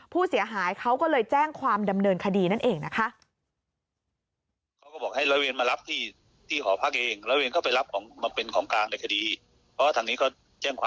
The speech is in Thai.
ผู้เสียหายเขาก็เลยแจ้งความดำเนินคดีนั่นเองนะคะ